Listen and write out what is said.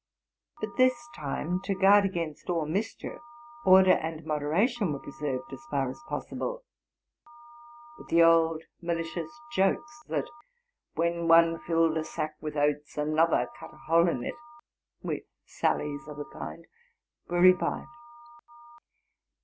But this time, to guard against all mischief, order and moderation were preserved as faras possible. But the old malicious jokes, that when one filled a sack with oats another cut a hole in it, with sal lies of the kind, were revived.